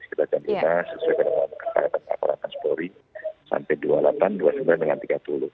kita akan mencari sesuai dengan pak raffaela spori sampai dua puluh delapan dua puluh sembilan tiga puluh